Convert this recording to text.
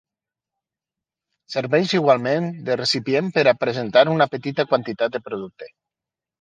Serveix igualment de recipient per a presentar una petita quantitat de producte.